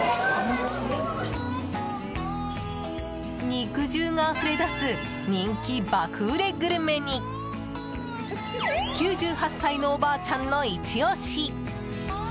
肉汁があふれ出す人気爆売れグルメに９８歳のおばあちゃんのイチ押し